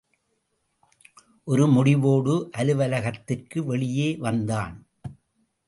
ஒரு முடிவோடு அலுவலகத்திற்கு வெளியே வந்தான்.